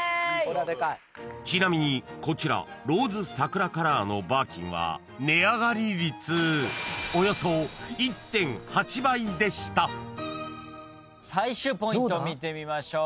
［ちなみにこちらローズサクラカラーのバーキンは値上がり率およそ］最終ポイント見てみましょう。